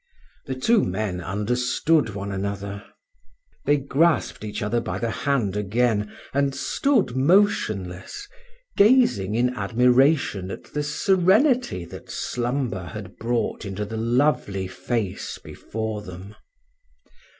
The two men understood one another. They grasped each other by the hand again, and stood motionless, gazing in admiration at the serenity that slumber had brought into the lovely face before them.